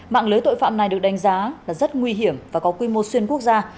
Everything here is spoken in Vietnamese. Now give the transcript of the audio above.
mạng lưới tội phạm này được đánh giá là rất nguy hiểm và có quy mô xuyên quốc gia